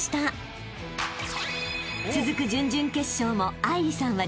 ［続く準々決勝も］